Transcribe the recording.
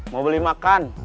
mau beli makan